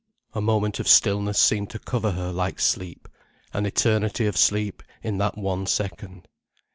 A moment of stillness seemed to cover her like sleep: an eternity of sleep in that one second.